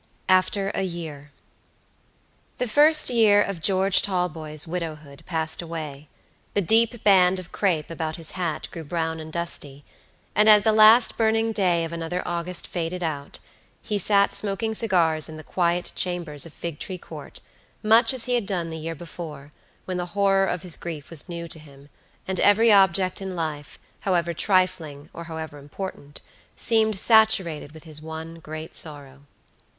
AFTER A YEAR. The first year of George Talboys' widowhood passed away, the deep band of crepe about his hat grew brown and dusty, and as the last burning day of another August faded out, he sat smoking cigars in the quiet chambers of Figtree Court, much as he had done the year before, when the horror of his grief was new to him, and every object in life, however trifling or however important, seemed saturated with his one great sorrow.